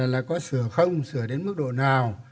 là có sửa không sửa đến mức độ nào